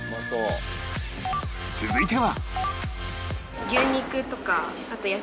続いては